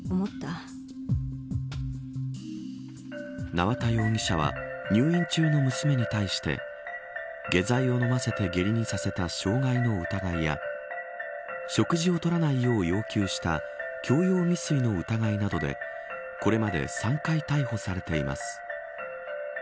縄田容疑者は入院中の娘に対して下剤を飲ませて下痢にさせた傷害の疑いや食事を取らないよう要求した強要未遂の疑いなどでこれまで３回逮捕されています。